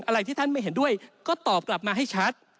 อะไรที่ท่านไม่เห็นด้วยก็ตอบกลับมาให้ชัด